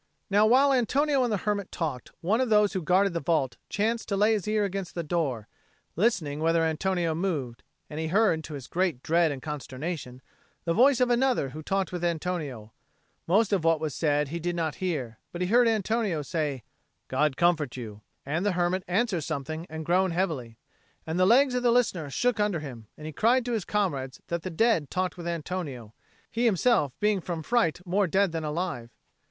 Now while Antonio and the hermit talked, one of those who guarded the vault chanced to lay his ear against the door, listening whether Antonio moved, and he heard, to his great dread and consternation, the voice of another who talked with Antonio: most of what was said he did not hear, but he heard Antonio say, "God comfort you," and the hermit answer something and groan heavily. And the legs of the listener shook under him, and he cried to his comrades that the dead talked with Antonio, he himself being from fright more dead than alive.